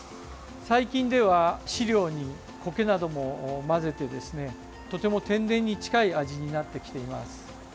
最近では飼料にコケなども混ぜてとても天然に近い味になってきています。